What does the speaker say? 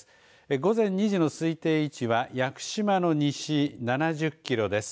午前２時の推定位置は屋久島の西、７０キロです。